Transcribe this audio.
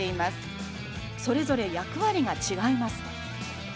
それぞれ役割が違います。